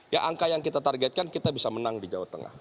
ya angka yang kita targetkan kita bisa menang di jawa tengah